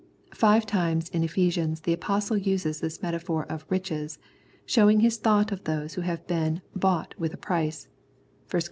Five times in Ephesians the Apostle uses this metaphor of " riches," showing his thought of those who have been " bought with a price " (i Cor.